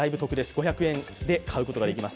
５００円で買うことができます。